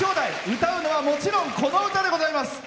歌うのは、もちろんこの歌でございます。